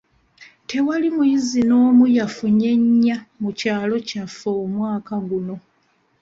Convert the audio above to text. Tewali muyizi n'omu yafunye nnya mu kyalo kyaffe omwaka guno.